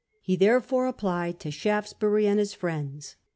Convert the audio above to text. He therefore applied to Shaftesbury and his friends.